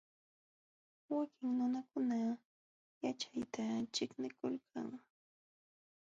Wakin nunakuna yaćhayta ćhiqnikulkanmi.